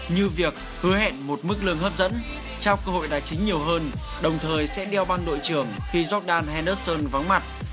như việc hứa hẹn một mức lương hấp dẫn trao cơ hội đại chính nhiều hơn đồng thời sẽ đeo băng đội trưởng khi jordan henderson vắng mặt